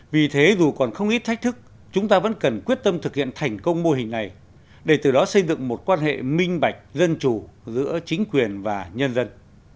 vì thế dù còn không ít thách thức chúng ta vẫn cần quyết tâm thực hiện thành công mô hình này để từ đó xây dựng một quan hệ minh bạch dân chủ giữa chính quyền và nhân dân